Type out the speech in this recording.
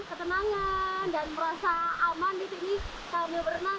ketenangan dan merasa aman di sini sambil berenang